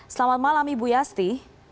selamat malam ibu yasti